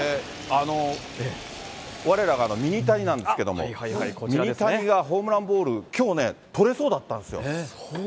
われらがミニタニなんですけれども、ミニタニがホームランボール、きょうね、捕れそうだったんですよ。